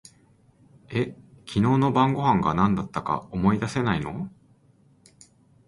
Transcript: え、昨日の晩御飯が何だったか思い出せないの？